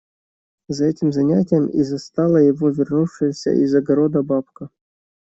За этим занятием и застала его вернувшаяся из огорода бабка.